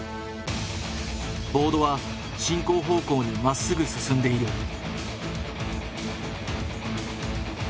ボードは進行方向にまっすぐ進んでいる。